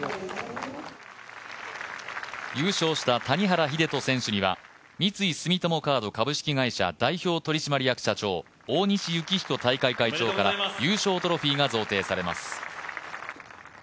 優勝した谷原秀人選手には三井住友カード株式会社代表取締役社長大西幸彦大会会長から優勝トロフィーが贈呈されます。